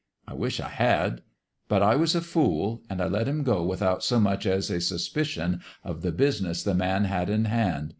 I wish I had. But I was a fool ; and I let him go without so much as a suspicion of the business the man had in hand.